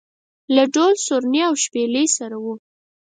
له ډول و سورني او شپېلۍ سره و.